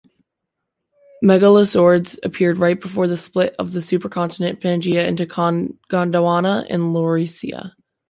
Megalosaurids appeared right before the split of the supercontinent Pangaea into Gondwana and Laurasia.